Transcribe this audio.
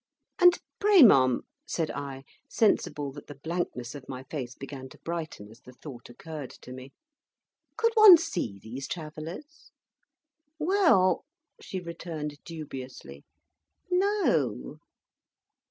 "And pray, ma'am," said I, sensible that the blankness of my face began to brighten as the thought occurred to me, "could one see these Travellers?" "Well!" she returned dubiously, "no!"